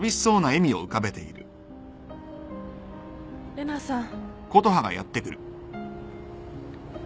・玲奈さん。